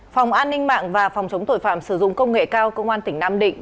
phòng an ninh mạng và phòng chống tội phạm sử dụng công nghệ cao công an tỉnh nam định